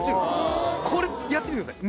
これやってみてください